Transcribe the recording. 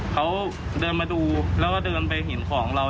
เขาเดินมาดูแล้วก็เดินไปเห็นของเรา